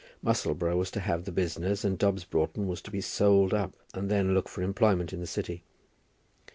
Musselboro was to have the business, and Dobbs Broughton was to be "sold up," and then look for employment in the City.